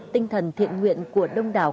tinh thần thiện nguyện của đông đảo